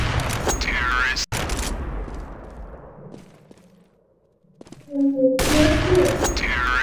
母葛氏。